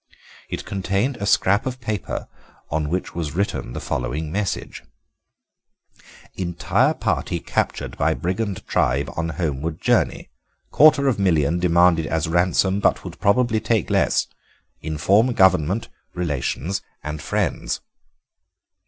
It contained a scrap of paper on which was written the following message: "'Entire party captured by brigand tribe on homeward journey. Quarter of million demanded as ransom, but would probably take less. Inform Government, relations, and friends.